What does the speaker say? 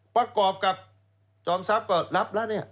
ประกอบกับจอมทรัพย์ก็รับแล้วเนี่ย